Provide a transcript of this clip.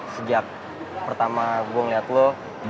sejak pertama gue ngeliat lo